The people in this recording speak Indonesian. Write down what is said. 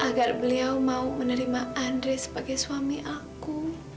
agar beliau mau menerima andre sebagai suami aku